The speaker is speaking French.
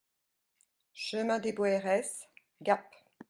Chemin Dès Boeres, Gap